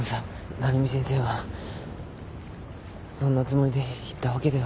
鳴海先生はそんなつもりで言ったわけでは。